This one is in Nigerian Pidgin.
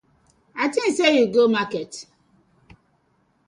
A tink sey you go market.